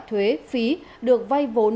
thuế phí được vay vốn